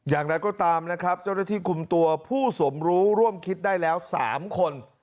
อย่างไรก็ตามนะครับเจ้าหน้าที่คุมตัวผู้สมรู้ร่วมคิดได้แล้ว๓คน